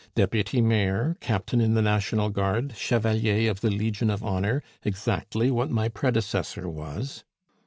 "Deputy mayor, captain in the National Guard, Chevalier of the Legion of Honor exactly what my predecessor was!"